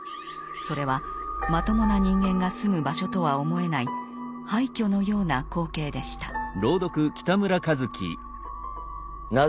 それはまともな人間が住む場所とは思えない廃墟のような光景でした。